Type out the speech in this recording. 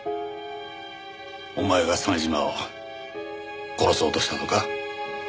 お前が鮫島を殺そうとしたのか？